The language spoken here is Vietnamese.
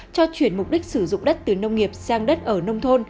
cho chuyển mục đích sử dụng đất từ nông nghiệp sang đất ở nông thôn